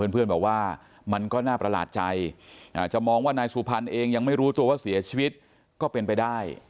เพื่อนบอกว่ามันก็น่าประหลาดใจจะมองว่านายสุพรรณเองยังไม่รู้ตัวว่าเสียชีวิตก็เป็นไปได้